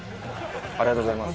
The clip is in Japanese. ありがとうございます